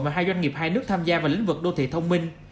và hai doanh nghiệp hai nước tham gia vào lĩnh vực đô thị thông minh